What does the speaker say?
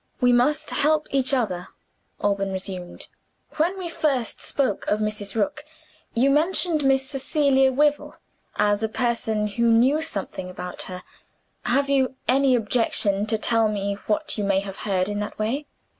"We must help each other," Alban resumed. "When we first spoke of Mrs. Rook, you mentioned Miss Cecilia Wyvil as a person who knew something about her. Have you any objection to tell me what you may have heard in that way?"